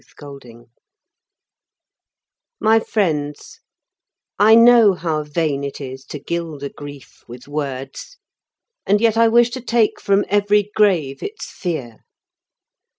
The colonel said: My Friends: I know how vain it is to gild a grief with words, and yet I wish to take from every grave its fear.